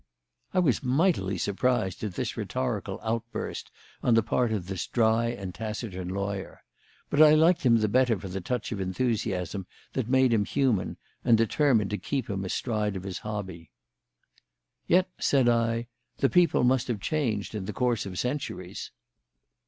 I was mightily surprised at this rhetorical outburst on the part of this dry and taciturn lawyer. But I liked him the better for the touch of enthusiasm that made him human, and determined to keep him astride of his hobby. "Yet," said I, "the people must have changed in the course of centuries."